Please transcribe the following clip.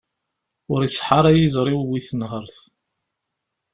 Ur iṣeḥḥa ara yiẓri-w i tenhert.